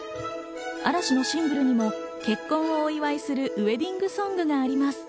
嵐のシングルにも結婚をお祝いするウエディングソングがあります。